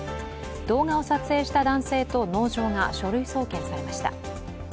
動画を撮影した男性と農場が書類送検されました。